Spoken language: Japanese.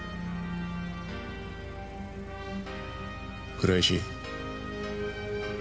倉石。